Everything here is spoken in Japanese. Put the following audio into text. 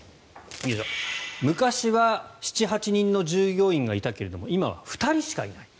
昔は７８人の従業員がいたけれども今は２人しかない。